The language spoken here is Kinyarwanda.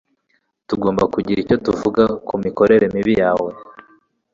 Tugomba kugira icyo tuvuga kumikorere mibi yawe.